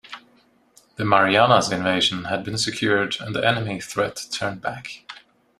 The Marianas invasion had been secured and the enemy threat turned back.